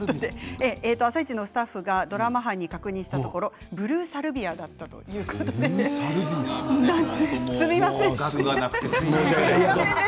「あさイチ」のスタッフがドラマ班に確認したところブルーサルビアだったということです。